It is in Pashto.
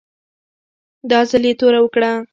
دا ځل یې توره وکړه.